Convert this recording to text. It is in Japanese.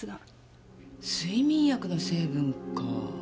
睡眠薬の成分か。